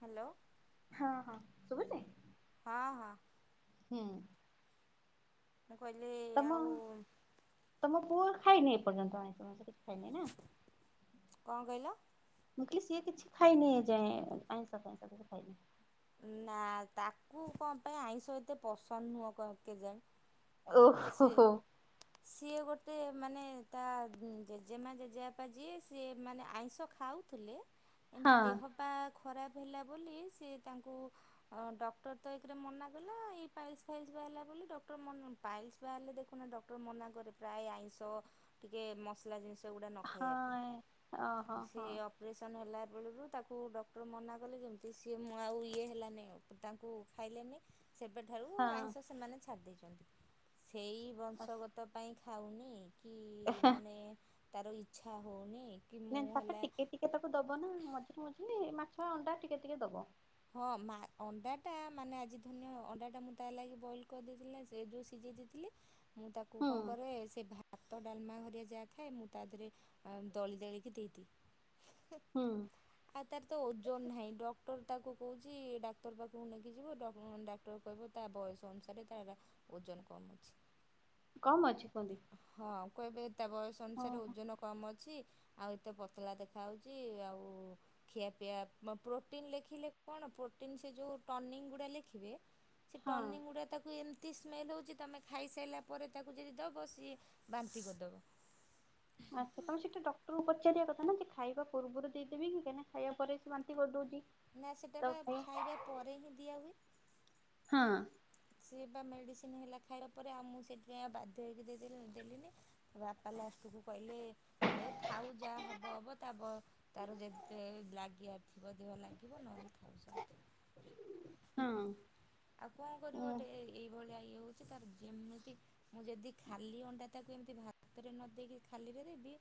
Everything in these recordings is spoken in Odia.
ହ୍ୟାଲୋ? ହଁ ହଁ, ଶୁଭୁଛି? ହଁ ହଁ। ହୁଁ। ମୁଁ କହିଲି ତମ ଆଉ ତମ ପୁଅ ଖାଇନି ଏର୍ଯ୍ୟନ୍ତ, [unintelligible] କିଛି ଖାଇନି ନା? କଣ କହିଲ? ମୁଁ କିଲି ସିଏ କିଛି ଖାଇନି ଏଯାଏଁ ଆଇଁସ ଫଇଁ ସ କିଛି ଖାଇନି? ନା ତାକୁ କଣ ପାଇଁ ଆଇଁଷ ଏତେ ପସନ୍ଦ ନୁହଁ କ କେଜାଣି। ଓହୋ ସିଏ ହୋ। ସିଏ ଗୋଟେ ମାନେ ତା ଜେଜେମା ଜେଜେବାପା ଯିଏ ସିଏ ମାନେ ଆଇଁଷ ଖାଉ ଥିଲେ। ଏମିତି ହଁ ଦେହପା ଖରାପ ହେଲା ବୋଲି ସେ ତାଙ୍କୁ ହଁ ଡକ୍ଟର ତ ଏକରେ ମନା କଲେ। ଏଇ ଫାଇଲସ୍ ଫାଇଲସ୍ ବାହାରିଲା ବୋଲି ଡକ୍ଟର ମନ ପାଇଲ୍ସ ବାହାରିଲେ ଦେଖୁନ ଡକ୍ଟର ମନା କରେ। ପ୍ରାୟ ଆଇଁଷ ଟିକେ ମସଲା ଜିନିଷ ସେଗୁଡ଼ା ନ ଖାଇବା ହଁ ଓହୋ ପାଇଁ। ସେ ହଁ ଅପ ଅପରେସନ୍ ହେଲା ବେଳରୁ ତାକୁ ଡକ୍ଟର ମନା କଲେ ଯେମିତି, ସିଏ ମୁ ଆଉ ଇଏ ହେଲାନି ଆଉ। ତାଙ୍କୁ ଖାଇଲେନି, ସେବେଠାରୁ ଆଇଁଷ ସେମାନେ ଛାଡ଼ି ଦେଇେଛନ୍ତି। ସେଇ ହଁ। ବଂଶଗତ ପାଇଁ ଖାଉନି କି ମାନେ ତାର ଇଚ୍ଛା ହଉନି, କି ମୁଁ ନାଇଁ ତାକୁ ହେଲା ଟିକେ ଟିକେ ତାକୁ ଦବ ନା ମଝିରେ ମଝିରେ, ମାଛ ଅଣ୍ଡା ଟିକେ ଟିକେ ଦବ। ହଁ ମା ଅଣ୍ଡାଟା ମାନେ ଆଜି ଧରି ନିଅ ଅଣ୍ଡାଟା ମୁଁ ତା ଲାଗି ବଏଲ୍ କରିଦେଇଥିଲି ନା। ସେ ଯେଉ ସିଝେଛି ଥିଲି। ମୁଁ ତାକୁ ହୁଁ କଣ କରେ ସେ ଭା ଭାତ ଡାଲମା ଘରିଆ ଯାହା ଖାଏ ମୁଁ ତା ଦେହରେ ଦଳି ଦାଳିକି ଦେଇଦିଏ। [unintelligible] ହୁଁ। ଆଉ ତାର ତ ଓଜନ ନାହିଁ। ଡକ୍ଟର ତାକୁ କହୁଛି ଡାକ୍ତର ପାଖକୁ ନେଇକି ଯିବ, ଡ ଡାକ୍ତର କହିବ ତା ବୟସ ଅନୁସାରେ ତାର ଓଜନ କମ ଅଛି। କମ୍ ଅଛି କୁହନ୍ତି? ହଁ କହିବେ, ତା ବୟସ ହଁ ଅନୁସାରେ ଓଜନ କମ୍ ଅଛି, ଆଉ ଏତେ ପତଳା ଦେଖାହେଉଛି ଆଉ ଖିଆପିଆ, [unintelligible] ପ୍ରୋଟିନ୍ ଲେଖିଲେ କଣ, ପ୍ରୋଟିନ ସେ ଯେଉଁ ଟନିକ୍ ଗୁଡ଼ା ଲେଖିବେ। ସେ ହଁ। ଟନିକ୍ ଗୁଡ଼ା ତାକୁ ଏମିତି ସ୍ମେଲ୍ ହେଉଛି, ତମେ ଖାଇସାରିଲା ପରେ ତାକୁ ଯଦି ଦ ଦବ, ସିଏ ବାନ୍ତି କରିଦବ। ଆଚ୍ଛା, ତମେ ସେଟା ଡକ୍ଟରଙ୍କୁ ପଚାରିବା କଥା ନା ଯେ, ଖାଇବା ପୂର୍ବରୁ ଦେଇଦେବି କି କାଇନା ଖାଇବା ପରେ ସେ ବାନ୍ତି କରିଦଉଛି। ନା ସେଇଟା ତ ବା ହଁ ଖାଇବା ପରେ ହିଁ ଦିଆହୁଏ। ହଁ। ସେଏ ବା ମେଡ଼ିସିନ ହେଲା ଖାଇବା ପରେ ଆଉ ମୁଁ ସେଥିପାଇଁ ଆଉ ବାଧ୍ୟ ହେଇକି [unintelligible] ଦେଲିନି। ବାପା ଲାଷ୍ଟକୁୁ କହିଲେ, ହେ ଥାଉ ଯାହା ହବ ହବ ତା ବ ତାର ଯେତେ ଲାଗିବାର ଥିବ ଦେହ ରେ ଲାଗିବ ନହେଲେ ଥାଉ ସେମିତି ହଁ। ଆଉ କଣ କରିବ ଉଁ ଗୋଟେ ଏଇଭଳିଆ ଇଏ ହଉଛି ତାର ଯେମିତି ମୁଁ ଯଦି ଖାଲି ଅଣ୍ଡା ତାକୁ ଏମିତି ଭାତରେ ନ ଦେଇକି ଖାଲିରେ ଦେବି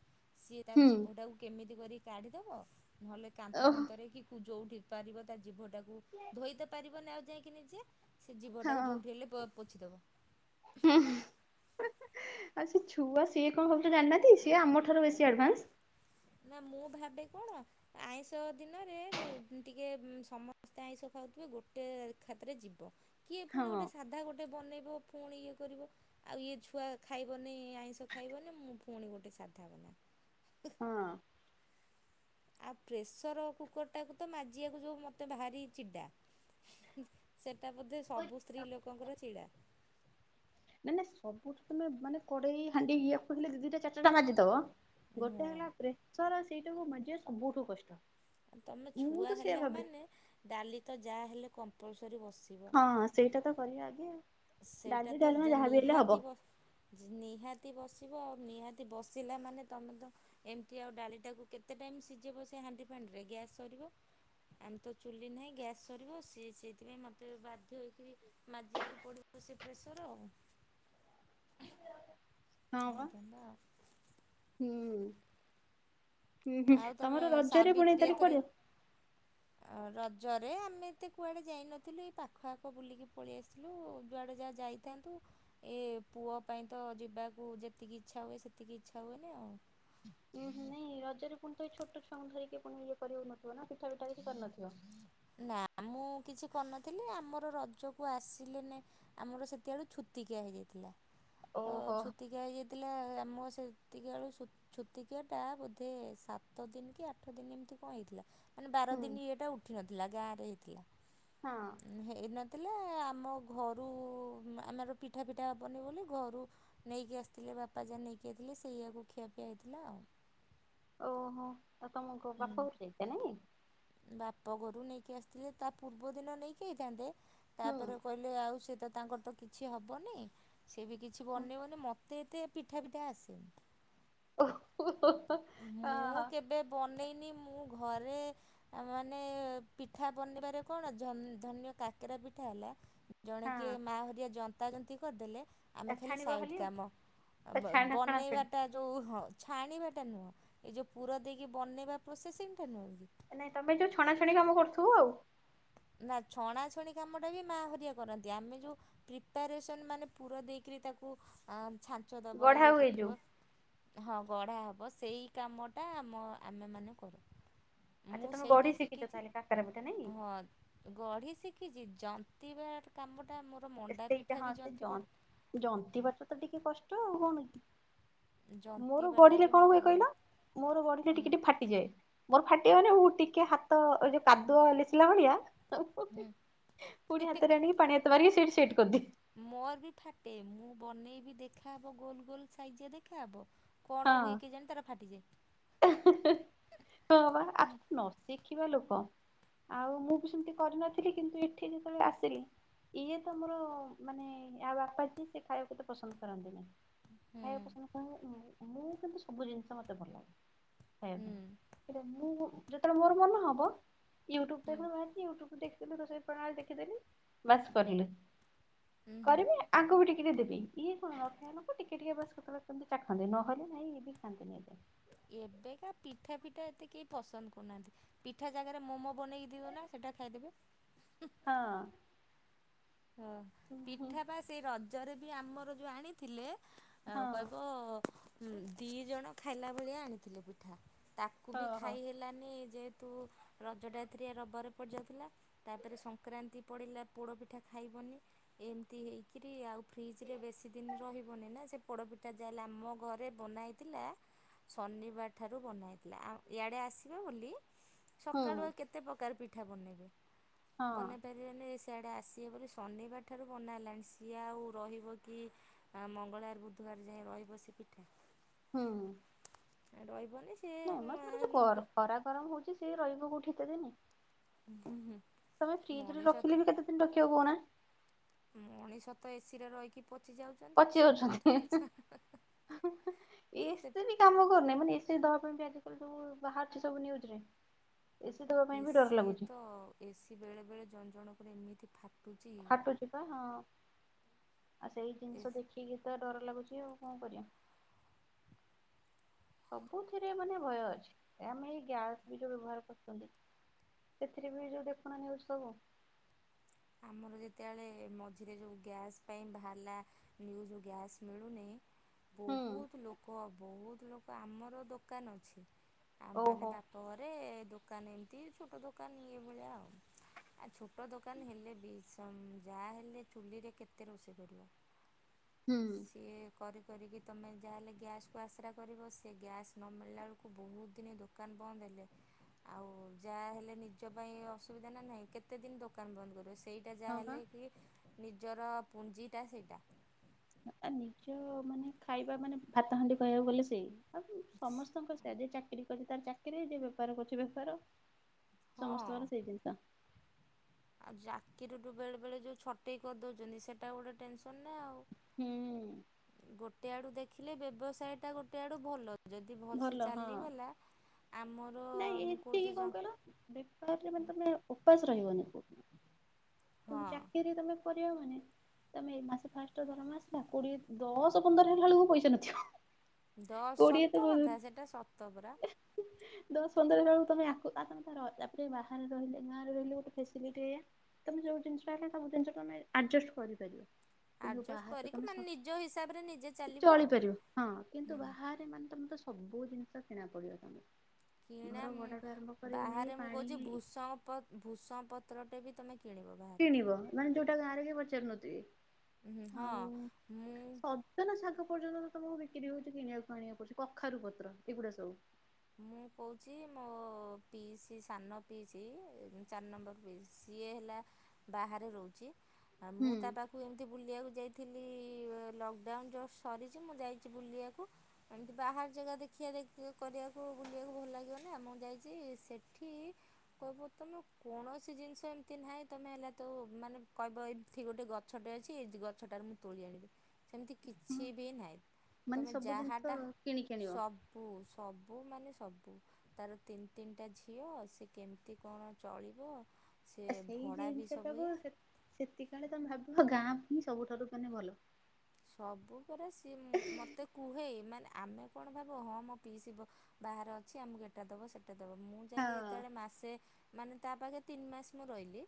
ସିଏ ତା ହୁଁ ଜୀଭଟାକୁ କେମିତି କରି କାଢ଼ିଦବ ନହେଲେ କାନ୍ଥ ଓହୋ ଫାନ୍ଥରେ କି କୁ ଜଉଠି ପାରିବ ତା ଜୀଭଟାକୁ ଧୋଇତ ପାରିବନି ଆଉ ଯାଇକି ନିଜେ ସେ ହଁ ଜୀଭଟାକୁ ଯେଉଁଠି ହେଲେ ପୋଛିଦବ। ହଁ, ଆଉ ସେ ଛୁଆ ସିଏ କଣ ଭାବୁଚନ୍ତି ଜାଣିନାହାନ୍ତି ସିଏ ଆମ ଠାରୁ ବେଶୀ ଆଡଭାନ୍ସ। ନା, ମୁଁ ଭାବେ କଣ ଆଇଁଷ ଦିନରେ ଟିକେ ସମସ୍ତେ ଆଇଁଷ ଖାଉଥିବେ ଗୋଟେ ଖାତରେ ଯିବ। କିଏ ହଁ ପୁଣି ଗୋଟେ ସାଧା ଗୋଟେ ବନେଇବ, ପୁଣି ଇଏ କରିବ ଆଉ ଇଏ ଛୁଆ ଖାଇବନି ଆଇଁଷ ଖାଇବନି ମୁଁ ଫୁଣି ଗୋଟେ ସାଧା ବନା। ହଁ। ଆଉ ପ୍ରେସର କୁକରଟାକୁ ତ ମାଜିବାକୁ ଯଉ ମୋତେ ଭାରି ଚିଡ଼ା ସେଟା ବୋଧେ ସବୁ ସ୍ତ୍ରୀ ଲୋକଙ୍କର ଚିଡା। ନାଇଁ ନାଇଁ ସବୁଠୁ ନୁହେ, ମାନେ କଡେଇ ହାଣ୍ଡି ଇଆକୁ ହେଲେ ଦି ଦିଟା ଚାର ଚାରିଟା ମାଜିଦବ ହଁ। ଗୋଟେ ହେଲା ପ୍ରେସର ସେଇଟାକୁ ମାଜିବାକୁ ସବୁଠୁ କଷ୍ଟ। ତମେ ମୁଁ ଛୁଆ ତ ସେଇଆ ହେଲା ଭାବେ ମାନେ ଡାଲି ତ ଯାହା ହେଲେ କମ୍ପଲସରୀ ବସିବ। ହଁ, ସେଇଟା ତ କରିବା ଆଗେ। ସେଇଟା ଡାଲି ଡାଲମା ତ ଯାହାବି ହେଲେ ହବ ନିହାତି ବ ନିହାତି ବସିବ, ଆଉ ନିହାତି ବସିଲା ମାନେ ତମେ ତ ଏମିତି ଆଉ ଡାଲିଟାକୁ କେତେ ଟାଇମ୍ ସିଜେଇବ ସେ ହାଣ୍ଡି ଫାଣ୍ଡିରେ ଗ୍ୟାସ୍ ସରିବ। ଆମେ ତ ଚୁଲି ନାହିଁ ଗ୍ୟାସ୍ ସରିବ ସେ ସେଇଥିପାଇଁ ମୋତେ ବାଧ୍ୟ ହେଇକିରି ମାଜିବାକୁ ପଡିବ ସେ ପ୍ରେସର ଆଉ। ହଁ ବା ହେଇଥାନ୍ତା ଆଉ। ହୁଁ ହୁଁ ହୁଁ ଆଉ ତମେ ତମର ରଜରେ ପୁଣି ତାରିଖ କୁଆଡେ ଆଁ ରଜରେ ଆମେ ଏତେ କୁଆଡେ ଯାଇନଥିଲୁ ଏ ପାଖ ଆଖ ବୁଲିକି ପଳେଇ ଆସିଥିଲୁ ଯୁଆଡେ ଯା ଯାଇ ଥାନ୍ତୁ ଏ ପୁଅ ପାଇଁ ତ ଯିବାକୁ ଯେତିକି ଇଚ୍ଛା ହୁଏ ସେତିକି ଇଚ୍ଛା ହୁଏନି ଆଉ। ଉୁ ନାଇଁ ରଜରେ ପୁଣି ତ ଏଇ ଛୋଟ ଛୁଆଙ୍କୁ ଧରିକି ପୁଣି ଇଏ କରିହଉନଥିବ ନା ପିଠା ପିଠା କିଛି କରିନଥିବ? ନା ମୁଁ କିଛି କରିନଥିଲି ଆମର ରଜକୁ ଆସିଲେ ନେ ଆମର ସେତେବେଳୁ ଛୁତିକିଆ ହେଇଯାଇଥିଲା ତ ଓହୋ ଛୁତିକିଆ ହେଇଯାଇ ଥିଲା ଆମ ସେତିକି ବଳୁ ଛୁ ଛୁତିକିଆ ଟା ବୋଧେ ସାତ ଦିନ କି ଆଠ ଦିନ ଏମିତି କଣ ହେଇଥିଲା ମାନେ ବାର ହୁଁ ଦିନ ଇଏଟା ଉଠିନଥିଲା ଗାଁରେ ହେଇଥିଲା। ହଁ। ହେଇନଥିଲା ଆମ ଘରୁ ଆମର ପିଠା ପିଠା ହବନି ବୋଲି ଘରୁ ନେଇକି ଆସିଥିଲେ ବାପା ଯା ନେଇକି ଆସିଥିଲେ ସେଇୟଆକୁ ଖିଆପିଆ ହେଇଥିଲା ଆଉ। ଓହୋ ଆଉ ତମକୁ ବାପହରେ ବାପଘରୁ ନେଇକି ଆସିଥିଲେ ତା ପୂର୍ବ ଦିନ ନେଇକି ଆଇଥାନ୍ତେ ହୁଁ ତାପରେ କହି ଆଉ ସେ ତ ତାଙ୍କର ତ କିଛି ହବନି ସେ ବି କିଛି ହୁଁ ବନେଇବନି ମ ତେ ଏତେ ପିଠା ଫିଠା ଆସେନି ଓହୋ ମୁଁ ହଁ କେବେ ବନେଇନି ମୁଁ ଘରେ ଆ ମାନେ ପିଠା ବନେଇିବାରେ କଣ ଧରିନିଅ କାକରା ପିଠା ହେଲା ଜଣେ କିଏ ହଁ ମା ହରିଆ ଜନ୍ତା ଜନ୍ତୀ କରିଦେଲେ ଆମେ ଖାଲି ଛାଣିବ ସାଇଡ଼୍ ଆଉ କାମ। ବ ଛାଣା ଛଣାଛଣି ବନେଇବାଟା ଓ ହ ଛାଣିବାଟା ନୁହଁ, ଏ ଯେଉଁ ପୁର ଦେଇକି ବନେଇବା ପ୍ରୋସେସିଙ୍ଗଟା ନୁହେଁ କି ନାଇଁ ତମେ ଯୋଉ ଛଣାଛଣି କାମ କରୁଥିବ ଆଉ। ନା ଛଣାଛଣି କାମଟା ବି ମା ହରିଆ କରନ୍ତି ଆମେ ଯୋଉ ପ୍ରିପାରେସନ୍ ମାନେ ପୁର ଦେଇକରି ତାକୁ ଛାଞ୍ଚ ଦେବ, ଗଢା ଇଏ ହୁଏ ଯୋଉ କରିବ। ହଁ ଗଢ଼ା ହବ ସେଇ କାମଟା ମ ଆମେମାନେ କରୁ। ମୁଁ ଆଚ୍ଛା ତମେ ସେଇଟା ଗଢି ଶିଖିଛ ତା ହେଲେ କାକରା ପିଠା ନାଇଁ। ଗଢି ଶିଖିଛି, ଜନ୍ତିବାର କାମ ଟା- ମୋର ମଣ୍ଡା ସେଇଟା ପିଠା ହଁ ବି ସେ ଯ ଜନ୍ତିବାର ଜନ୍ତିବାଟା ତ ଟିକେ କଷ୍ଟ, ଆଉ କଣ କି! ମୋର ଜନ୍ତିବାଟା ଗଢିଲେ ବି ମୁଁ କଣ ହୁଏ କହିଲ, କରିପାରେ ମୋର ଗଢିଲେ ହୁଁ ଟିକେ ଟିକେ ଫା ଟେ। ମୋର ଫାଟିିବ ମାନେ ମୁଁ ଟିକେ ହାତ ଏ ଯୋଉ କାଦୁଆ ଲେଶିଲା ଭଳିଆ ହୁଁ ପୁଣି ହାତରେ ଆଣି ପାଣି ହାତ ମାରି ସେଇଠି ସେଟ୍ କରି ଦିଏ। ମୋର ବି ଫାଟେ। ମୁଁ ବନେଇବି ଦେଖାହେବ ଗୋଲ୍ ଗୋଲ୍ ସାଇଜ଼ିଆ ଦେଖାହେବ। କଣ ହୁଏ କେ ଜାଣି ତାର ଫାଟିଯାଏ। ଷ୍ଟ ହବା। ଆ ହୁଁ ନ ଶିଖିବା ଲୋକ ଆଉ ମୁଁ ବି ସେମତି କରିନଥିଲି। କିନ୍ତୁ ଏଠି ଯେତେବେଳେ ଆସିଲି ଇଏ ତ ମୋର ମାନେ, ୟା ବାପା ଯିଏ ସେ ଖାଇବାକୁ ଏତେ ପସନ୍ଦ କରନ୍ତି ନାହିଁ। ହୁଁ ଖାଇବା ପସନ୍ଦ [unintelligible] ମୁଁ କିନ୍ତୁ ସବୁ ଜିନିଷ ମତେ ଭଲ ଲାଗେ। ହୁଁ ଖାଇବା ପାଇଁ। ମୁଁ ଯେତେବେଳେ ମୋର ମନ ହବ, ୟୁଟୁବ ହୁଁ ଦେଖେ [unintelligible] ୟୁୁ ଟୁବ ଦେଖି ରୋଷେଇ ପ୍ରଣାଳୀ ଦେଖିଦେଲି। ବାସ କରିଲି ହୁଁ କରିବି। ଆଙ୍କୁ ବି ଟିକେ ଟିକେ ଦେବି। ଇଏ କଣ ନ ଖାଇବା ଲୋକ ଟିକେ ଟିକେ ବାସ୍ କେତେବେଳେ କେମତି ଚାଖନ୍ତି। ନହେଲେ ନାଇଁ ୟେ ଖାନ୍ତି ନାହି [unintelligible] ଏବେକା ପିଠା ପିଠା ଏତେ କେହି ପସନ୍ଦ କରୁନାହାଁନ୍ତି। ପିଠା ଜାଗାରେ ମୋମୋ ବନେଇ କି ଦେଇଦିଅ ନା ସେଇଟା ଖାଇଦେବେ। ହଁ ହ, ହଁ ପିଠା ପା ସେଇ ରଜରେ ବି ଆମର ଯୋଉ ଆଣିଥିଲେ ଆ ହଁ କହିବ ଦି ଜଣ ଖାଇଲା ଭଳିଆ ଆଣିଥିଲେ ପିଠା। ତାକୁ ବି ହଁ ଖାଇ ହେଲାନି ଯେହେତୁ ରଜଟା ଏଥିରେ ରବାରେ ପଡ଼ିଯାଇଥିଲା। ତାପରେ ସଂକ୍ରାନ୍ତି ପଡ଼ିଲା, ପୋଡ଼ ପିଠା ଖାଇବନି। ଏମତି ହେଇକିରି ଆଉ ଫ୍ରିଜ ରେ ବେଶୀ ଦିନ ରହିବନି ନା! ସେ ପୋଡପିଠା ଯାହେଲେ ଆମ ଘରେ ବନା ହେଇ ଥିଲା। ଶନିବାରଠାରୁ ବନା ହେଇଥିଲା, ଇଆଡ଼େ ଆସିବେ ବୋଲି। ସକାଳୁ ହଁ ଆଉ କେତେ ପ୍ରକାର ପିଠା ବନେଇବେ? ହଁ। ବନେଇ ପାରିବେନି, ସିଆଡ଼େ ଆସ ସିଏ ବୋଲି ଶନିବାର ଠାରୁ ବନା ହେଲାଣି। ସିଏ ଆଉ ରହିବ କି? ଆ ମଙ୍ଗଳବାର, ବୁଧବାର ଯାଏ ରହିବ ସେ ପିଠା!। ହୁଁ। ରହିବନି ସେ ନାଇଁ ମ [unintelligible] ଯୋଉ ଖରା ଗରମ ହଉଛି ସେ ରହିବ କୋଉଠି ଏତେ ଦିନି। ତମେ ଫ୍ରିଜ ରେ ମଣିଷ ରଖିଲେ ବି କେତେ ଦିନ ରଖିବ କହୁନା। ମଣିଷ ତ ଏସିି ରେ ରହିକି ପଚି ଯାଉଛନ୍ତି। ସେ ପିଠା ତ ଛା--ହି ହି ହି ହେଁହିଁ ଏସି ବି କାମ କରୁନାଇ। ମାନେ ଏସି ଦବା ପାଇଁ [unintelligible] ଯଉ ବାହାରୁଚି ସବୁ ନ୍ୟୂଜରେ ଏସି ଦେବା ପାଇଁ ବି ଡର ଏସି ଲାଗୁଚି। ତ ଏସି ବେଳେବେଳେ ଜଣ ଜଣଙ୍କର ଏମିତି ଫାଟୁଚି। ! ଫାଟୁଚିପା, ହଁ। ଆଉ ସେଇ ଜିନିଷ ଦେଖିକି ତ ଡର ଲାଗୁଚି ଆଉ କଣ କରିବା। ସବୁଥିରେ ମାନେ ଭୟ ଅଛି। ଆମେ ଏଇ ଗ୍ୟାସ ବି ଯୋଉ ବ୍ୟବହାର କରୁଛନ୍ତି। ସେଥିରେ ବି ଯୋଉ ଦେଖୁନା ନ୍ୟୂଜ୍ ସବୁ। ଆମର ଯେତେଏଳେ ମଝିରେ ଯୋଉ ଗ୍ୟାସ୍ ପାଇଁ ଭାହାଲା ନ୍ୟୁଜୁ ଗ୍ୟାସ୍ ମିଳୁନି। ହୁଁ ବହୁତ ଲୋକ ବହୁତ ଲୋକ ଆମର ଦୋକାନ ଅଛି। ଆ ଵା ନେ ଓହୋ ବା ଘରେ ଦୋକାନ ଏମିତି ଛୋଟ ଦୋକାନ ଇଏ ଭଳିଆ ଆଉ। ଆ ଛୋଟ ଦୋକାନ ହେଲ ଲେ ବି ସମ ଯାହା ହେଲେ ଚୁଲିରେ କେତେ ରୋଷେଇ କରିବ। ହୁଁ। ଇଏ କରି କରିକି ତମେ ଯାହାହେଲେ ଗ୍ୟାସ୍ କୁ ଆଶ୍ରା କରିବ। ସେ ଗ୍ୟାସ୍ ନ ମିଳିଲା ଏଳକୁ ବହୁତ ଦିନ ଦୋ କାନ ବନ୍ଦ ହେଲେ। ଆଉ ଯାଆ ହେଲେ ନିଜ ପାଇଁ ଅସୁବିଧା ନା ନାହିଁ। କେତେ ଦିନି ଦୋକାନ ବନ୍ଦ କରିବ। ସେଇଟା ହଁ ପା। ଯାହାହେଲେ କି ନିଜର ପୁଞ୍ଜିଟା ସେଇଟା। ଆ ନିଜ ମାନେ ଖାଇବା ମାନେ ଭାତ ହାଣ୍ଡି କହିବାକୁ ଗଲେ ସେଇ। ସମସ୍ତଙ୍କ ସେ ଯେ ଚାକିରି କରୁଛି ତାର ଚାକିରି ଯ ବେପାର କରୁଛି ବେପାର। ହଁ ସମସ୍ତଙ୍କର ସେଇ ଜିନ ଆଉ ଚାକିରିଠୁ ବେଳେ ବେଳେ ଯୋଉ ଛଟେଇ କରିଦଉଛନ୍ତି ସେଟା ଗୋଟେ ଟେନସନ ନା ଆଉ। ହୁଁ। ଗୋଟେ ଆଡୁ ଦେଖିଲେ ବ୍ୟବସାୟ ଟା ଗୋଟେ ଆଡୁ ଭଲ। ଯଦି ଭଲସେ ଭଲ ହଁ ଚାଲିଗଲା। ଆମ ନାଇଁ ଏତିକି କଣ କଇଲ ବେପାରରେ ମାନେ ତମେ ଓପାସ ରଇବନି କୋଉ ଦିନ। ହଁ କିନ୍ତୁ ଚାକିରିରେ ତମେ କରିଅ ମାନେ ତମେ ଏଇ ମାସ ଫାଷ୍ଟ ଦରମା ଆସିଲା କୋଡିଏ ଦଶ ପନ୍ଦର ହେଲା ବେଳକୁ ପଇସା ନଥିବ। ଦଶ କୋଡିଏ ତ ସତ ବହୁତ କଥା ସେଇଟା ସତ ପରା। ଦଶ ପନ୍ଦର ହେଲା ଏଳକୁ ତମେ ଆକୁ ଅସାଙ୍ଗରେ ଧର ବାହାରେ ରହିଲେ ଗାଁରେ ରହିଲେ ଗୋଟେ ଫେସିଟିଲିଟି ଏୟା ତମେ ଯୋଉ ଜିନିଷ ଟା ସବୁ ଜିନିଷ ତମେ ଆଡଜଷ୍ଟ କରିପାରିବ। କିନ୍ତୁ ଆଡ଼ଜଷ୍ଟ ବାହାରକୁ କରିକି ତମେ ମାନେ ନିଜ ହିସାବରେ ନିଜେ ସ ଚାଲିବ ଆଉ ଚଳିପାରିବ ହଁ। କିନ୍ତୁ ହୁଁ ବାହାରେ ମାନେ ତମେ ତ ସବୁ ଜିନିଷ କିଣା ପଡିବ ତମକୁ। କିଣା ଘର ଉଁ ଭଡାଠୁ ଆରମ୍ଭ କରିକି ନେଇ ବାହାରେ ମୁଁ ପାଣି କହୁଛି ଭୂସଙ୍ଗ ପତ ଭୂସଙ୍ଗ ପତ୍ରଟେ ବି ତମେ କିଣିବ। ବାହାରେ କିଣିବ ମାନେ ଯୋଉଟା ଗାଁରେ କେହି ପଚାରୁ ନଥିବେ। ହୁଁ ହଁ ମୁଁ ସଜନା ଶାଗ ପର୍ଯ୍ୟନ୍ତ ତମକୁ ବିକ୍ରି ହୋଉଚି କିଣିବାକୁ ଆଣିବାକୁ ପଡୁଚି। କଖାରୁ ପତ୍ର ଏଗୁଡା ସବୁ। ମୁଁ କୋଉଚି ମୋ ପିଇସି ସାନ ପିଇସି ଚାର ନମ୍ବର ଇସି ସିଏ ହେଲା ବାହାରେ ରହୁଚି ହୁଁ ମୁଁ ତା ପାଖ ମୁୁ ଏମିତି ବୁଲିବାକୁ ଯାଇଥିଲି ଲକଡାଉନ ଜଷ୍ଟ ସରିଚି ମୁଁ ଯାଇଚି ବୁଲିଆକୁ। ଏମତି ବାହାର ଜାଗା ଦେଖିଆ ଦେଖି କରିଆକୁ ବୁଲିଆକୁ ଭଲ ଲା ଗିଅ ନା ମୁଁ ଯାଇଛି ସେଠି କହିବୁ ତୁମ କୌଣସି ଜିନିଷ ଏମିତି ନାହିଁ ତୁମେ ହେଲା ତ ମାନେ କହିବ ଏ ଏଠି ଗୋଟେ ଗଛଟେ ଅଛି ଏଇ ଗଛଟାରେ ମୁଁ ତୋଳି ଆଣିବି। ସେମିତି ହଁ କିଛି ବି ନାହିଁ ମାନେ ତମେ ସବୁ ଜିନିଷ ଯାହାଟା କିଣିକି ଆଣିବ ସବୁ ସବୁ ସବୁ ମାନେ ସବୁ ତାର ତିନ ତିନଟା ଝିଅ ସେ କେମତି କଣ ଚଳିବ। ସେ ଭଡ଼ା ବି ସବୁ ଇଏ। ସେତିକିବେଳେ ତମେ ଭାବିବ ଗାଁ ଭୁହିଁ ସବୁଠାରୁ ମାନେ ଭଲ। ସବୁ ପରା ସିଏ ମତେ କୁହେ। ମାନେ ଆମେ କଣ ଭାବୁ ହଁ ମୋ ପିଇସୀ ବ ବାହାରେ ଅଛି ଆମକୁ ଏଟା ଦବ ସେ ଟା ଦବ। ମୁଁ ଯାଇଙ୍କି ହଁ ଯେତେବେଳେ ମାସେ ମାନେ ତା ପାଖେ ତିନି ମାସ ମୁଁ ରଇଲି।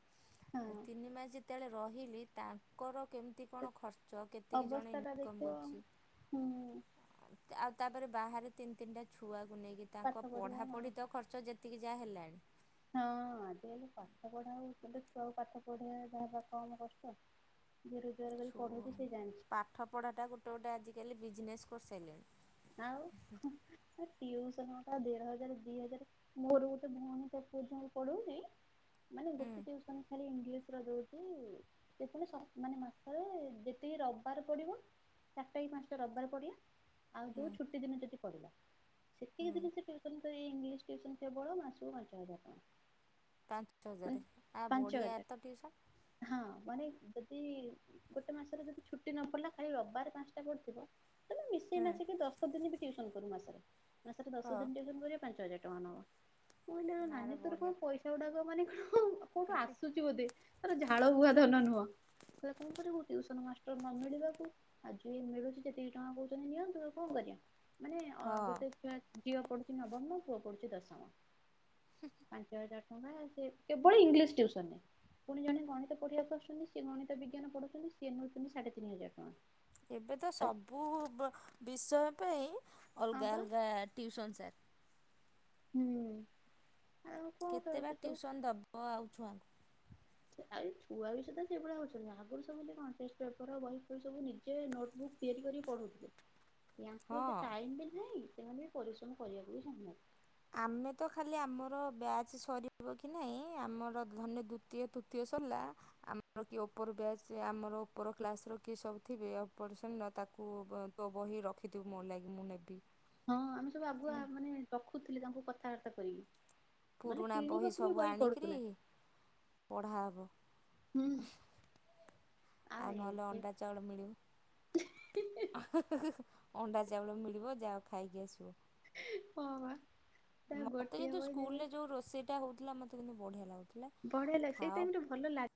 ହଁ ତିନି ମାସ ଯେତେବେଳେ ରହିଲି ତାଙ୍କର କେମିତି କଣ ଖର୍ଚ। କେ ଅବସ୍ଥା ଟା ଦେଖିବ ହୁଁ ଆଉ ତାପରେ ବାହାରେ ତିନି ତିନିଟା ଛୁଆକୁ ନେଇକି ପାଠ ତାଙ୍କ ପଢିବା ପଢା ହଁ ପଢି ତ ଖ ର୍ଚ୍ଚ ଯେତିକି ଯାହା ହେଲାଣି ହଁ ଆଜିକାଲି ପାଠ ପଢା ହଉ ଛୁଆକୁ ପାଠ ପଢେଇଆ ଯାହା କମ କଷ୍ଟ ଯିଏ ରୋଜଗାର କରି ଛୁ ପଢଉଛି ସେ ଜାଣିଛି ପାଠ ପଢ଼ାଟା ଗୋଟେ ଗୋଟେ ଆଜିକାଲି ବିଜନେସ୍ କରିସାରିଲେଣି ଆଉ ହୁଁ ଟିଉସନ ଗୋଟା ଦେଢ ହଜାର ଦି ହଜାର ମୋର ଗୋଟେ ଭଉଣୀ ତା ପୁଅ ଝିଅ କୁ ପଢ଼ନେଇ ମାନେ ହୁଁ ଗୋଟେ ଟିଉସନ୍ ଖାଲି ଇଂଗି୍ଲିଶ ଦଉଚି ଯେତେବେଳେ ସପ୍ ମାନେ ମାସରେ ଯେତିକି ରବିବାର ପଡିବ ଚାରିଟା କି ପାଞ୍ଚଟା ରବିବାର ପଡ଼ିଲା ଆଉ ହୁଁ ଯୋଉ ଛୁଟି ଦିନ ଯଦି ପଡ଼ିଲା ସେତିକି ହୁଁ ଦିନି ସେ ଟି ସେତ ଏଇ ଇଂଗି୍ଲିଶ ଟିଉସନ୍ କେବଳ ମାସ କୁ ପାଞ୍ଚ ହଜାର ଟଙ୍କା [inaudible] ପାଞ୍ଚ ମାନେ ହଜାର ଆ ପାଞ୍ଚ ବଢ଼ିଆ ହଜାର ତ ଟିଉସନ୍ ହଁ ୱାନେ ଯଦି ଗୋଟେ ମାସରେ ଯଦି ଛୁଟି ନ ପଡିଲା ଖାଲି ରବିବାର ପାଞ୍ଚଟା ପଡିଥିବ ହେଲେ ମି ଶି ହୁଁ ମାଶିକି ଦଶ ଦିନି ବି ଟିଉସନ୍ କରୁ ମାସରେ ମାସରେ ଦଶ ହଁ ଦିନ ଟିଉସନ୍ କରିବ ପାଞ୍ଚ ହଜାର ଟଙ୍କା ନବ। ମୁଁ କଇଲି ଆଉ ନାନୀ ଆରେ ତୋର ବଢ଼ିଆ କଣ ପଇସା ଗୁଡାକ ମାନେ କହଁଣ କୋଉଠୁ ଆସୁଛି ବୋଧେ ତୋର ଝାଳ ବୁହା ଧନ ନୁହଁ କହିଲା କଣ କରିବୁ ଟିଉସନ୍ ମାଷ୍ଟର ନ ମିଳିବାକୁ ଆଜି ମିଳୁଚି ଯେତିକି ଟଙ୍କା କହୁଚନ୍ତି ନିଅନ୍ତୁ କଁ କରିଆ ମାନେ ଅ ହଁ ଗୋଟେ ଝିଅ ଝିଅ ପଡ଼ୁଚି ନବମ ପୁଅ ପଡ଼ୁଚି ଦଶମ ପାଞ୍ଚ ହଜାର ଟଙ୍କା କେବଳ ଇଂଗି୍ଲିସି ଟିଉସଳ୍ ରେ ପୁଣି ଜଣେ ଗଣିତ ପଢେଇଆକୁ ଆସୁଚନ୍ତି ସିଏ ଗଣିତ ବିଜ୍ଞାନ ପଢଉଚନ୍ତି ସିଏ ନଉଚନ୍ତି ସାଢେ ତିନି ହଜାର ଟଙ୍କା ଏବେ ତ ସବୁ ବ ବିଷୟ ପାଇଁ ହଁ ଅଲଗା ପା ଅଲଗା ଟିଉସନ ସାର୍। ହୁଁ। କେତେ ବା ଟିଉସନ୍ ଦବ ଆଉ ଛୁଆଙ୍କୁ ଆଉ ଏ ଛୁଆ ବି ସେତ ସେଇଭଳିଆ ହଉଚନ୍ତି ଆଗରୁ ସେ ସବୁ କଣ ଟେଷ୍ଟ ପେପର ବହି ସବୁ ନିଜେ ନୋଟ୍ ବୁକ୍ ତିଆରି କରି ପଢ଼ୁଥିଲେ [inaudible] ୟାଙ୍କୁ ଏତେ ହଁ। ଟାଇମ୍ ବି ନାହିଁ ସେମାନେ ବି ପରିଶ୍ରମ କରିଆକୁ ବି ଚାହୁନାହାତି ଆମେ ତ ଖାଲି ଆମର ବ୍ୟାଚ୍ ସରିବ କି ନାହିଁ ଆମର ଧର୍ ନେ ଦୁତୀୟ ତୁତୀୟ ସର୍ ଲା ଆମର କିଏ ଉପର ବ୍ୟାଚ ଆମର ଉପର କ୍ଲାସ୍ ର କିଏ ସବୁ ଥିବେ ଅପର ସର୍ ଲା ତାକୁ ତୋ ବହି ରଖିଥିବୁ ମୋ ଲାଗି ମୁଁ ନେବି ହଁ ଆମେ ସବୁ ଆଗୁଆ ମାନେ ରଖୁଥିଲି ତାଙ୍କୁ କଥାବାର୍ତ୍ତା କରିକି ନହେଲେ ପୁରୁଣା ବହି କିଣିବାକୁ ବି ସବୁ ଆଣିକିରି ପଡୁଥିଲା। ପଢ଼ା ହବ। ଆ ଏ ମାନେ ଅଣ୍ଡା ଚାଉଳ ମିଳିବ ଅଣ୍ଡା ଚାଉଳ ମିଳିବ ଯାଅ ଖାଇକି ଆସିବ ହଁ ବା ତା ମତେ ଗୋଟିଏ କିନ୍ତୁ ବହି ଦି ସ୍କୁଲ୍ ବହି ରେ ଯୋଉ ରୋଷେଇଟା ହଉଥିଲା ମତେ କିନ୍ତୁ ବଢିଆ ଲାଗୁ ବଢିଆ ଲାଗେ ସେଇ ଟାଇମ୍ ଟା ଭଲ ଲାଗେ